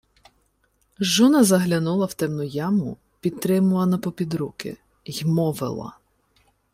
Жона заглянула в темну яму, підтримувана попід руки, й мовила: